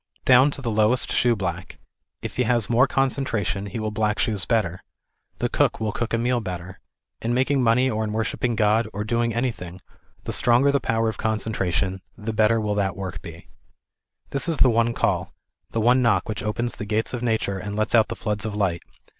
Down to the lowest shoeblack, if he has more concentration he will black shoes better, the cook will cook a meal better. In making money or in worship ping God, or doing anyting, the stronger the power of concentration, the better will that work be. This is the one call, the one knock which opens the gates of Nature and lets out the floods of light.